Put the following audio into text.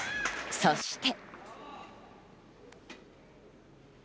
そして。